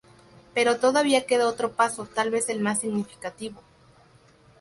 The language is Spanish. Pero todavía queda otro paso, tal vez el más significativo.